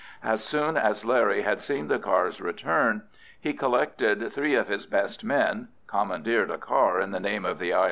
As soon as Larry had seen the cars return, he collected three of his best men, commandeered a car in the name of the I.